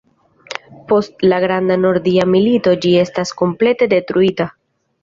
Post la Granda Nordia Milito ĝi estis komplete detruita.